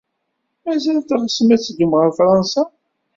Mazal teɣsem ad teddum ɣer Fṛansa?